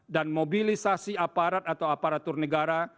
dan mobilisasi aparat atau aparatur negara